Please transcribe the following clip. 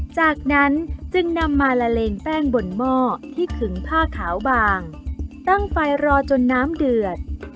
จากนั้นจึงนำมาละเลงแป้งบนหม้อที่ขึงผ้าขาวบางตั้งไฟรอจนน้ำเดือด